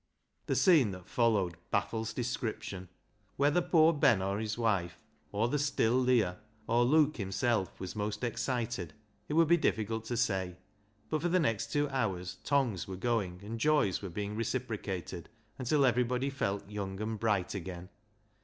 " The scene that followed baffles description. Whether poor Ben, or his wife, or the still Leah, or Luke himself, was most excited, it would be difficult to say, but for the next two hours tongues were going and joys were being recipro cated until everybody felt young and bright again.